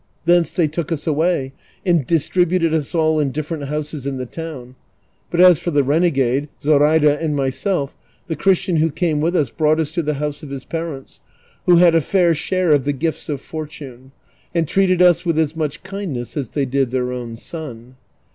Thence they took us away and distributed us all in difterent houses in the town ; but as for the renegade, Zoraida, and myself, the Christian who came with us brought us to the house of his parents, who had a fair share of the gifts of fortune, and treated us with as much kindness as they did their own son.